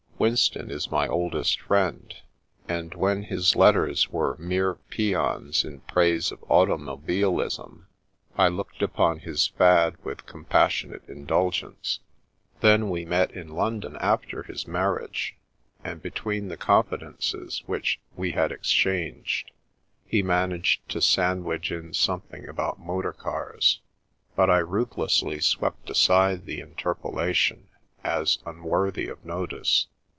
Winston is my oldest friend, and when his letters were mere paeans in praise of automobilism, I looked upon his fad with compassionate indulgence. 14 The Princess Passes Then we met in London after his marriage, and be tween the confidences which we had exdianged, he managed to sandwich in something about motor cars. But I ruthlessly swept aside the interpolation as unworthy of notice.